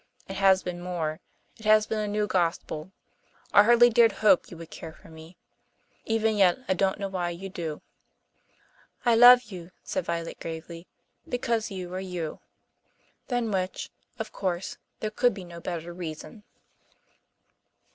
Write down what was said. It has been more. It has been a new gospel. I hardly dared hope you could care for me. Even yet I don't know why you do." "I love you," said Violet gravely, "because you are you." Than which, of course, there could be no better reason.